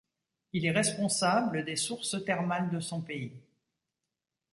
Il est responsable des sources thermales de son pays.